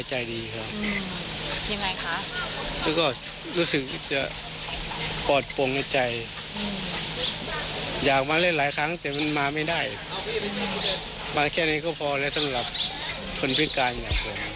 เช่นเดียวกับนางซูจิตราเจริญไก่กะมนต์นะคะ